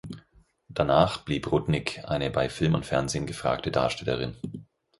Danach blieb Rudnik eine bei Film und Fernsehen gefragte Darstellerin.